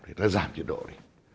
chúng ta giảm nhiệt độ lại